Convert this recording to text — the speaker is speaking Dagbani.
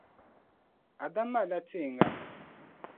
Adam malila teeŋa.